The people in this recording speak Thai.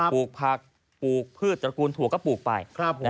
ปลูกผักปลูกพืชตระกูลถั่วก็ปลูกไป